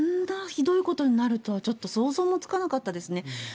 ひどいことになるとは、ちょっと想像もつかなかったですね。